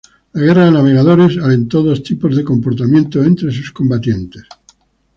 La guerra de navegadores alentó dos tipos de comportamientos entre sus combatientes.